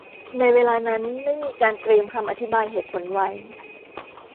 ในเวลานั้นไม่มีการเตรียมคำอธิบายเหตุผลไว้